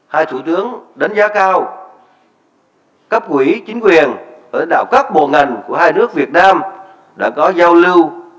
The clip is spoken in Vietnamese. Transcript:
hai thủ tướng đánh giá cao cấp quỹ chính quyền ở đảo các bộ ngành của hai nước việt nam đã có giao lưu